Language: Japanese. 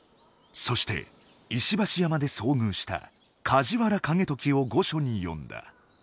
そして石橋山で遭遇した梶原景時を御所に呼んだ。